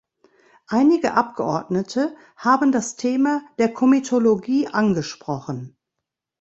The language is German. Einige Abgeordnete haben das Thema der Komitologie angesprochen.